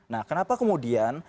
nah kenapa kemudian